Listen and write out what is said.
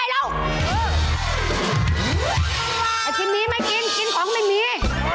อาชีพนี้ไม่กินกินของไม่มี